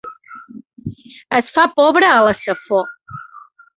Es fa pobre a la Safor.